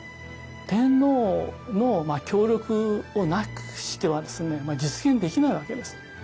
天皇の協力をなくしては実現できないわけです。